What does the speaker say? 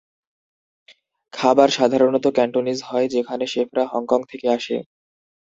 খাবার সাধারণত ক্যান্টোনিজ হয় যেখানে শেফরা হংকং থেকে আসে।